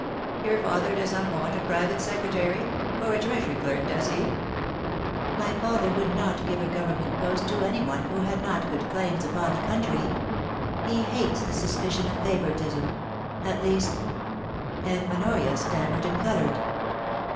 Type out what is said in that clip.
Your father does not want a private secretary, or a treasury clerk, does he ?*' My father would not give a Government post to anyone * YOU'LL GET THE CROOKED STICK AT LAST: 175 who had not good claims upon the country. He hates the suspicion of favouritism — at least ' And Honoria stammered and coloured.